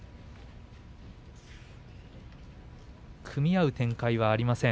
組み合う展開はありません